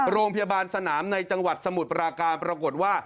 โรงพยาบาลสนามในจังหวัดสมุทรปราการปรากฏว่า